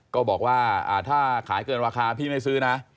ก็บอกว่าถ้าขายเกินราคาพี่ไม่ซื้อนะ